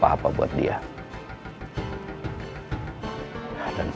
untuk menerima uang